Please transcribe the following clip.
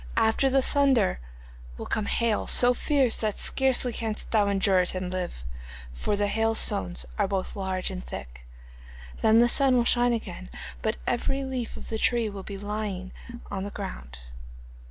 After the thunder will come hail, so fierce that scarcely canst thou endure it and live, for the hailstones are both large and thick. Then the sun will shine again, but every leaf of the tree will by lying on the ground.